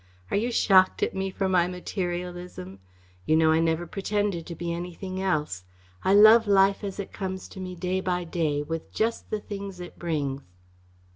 Are you shocked at me for my materialism? You know I never pretended to be anything else. I love life as it comes to me day by day, with just the things it brings."